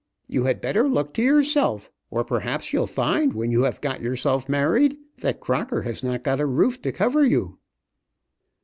You had better look to yourself, or, perhaps, you'll find when you have got yourself married that Crocker has not got a roof to cover you."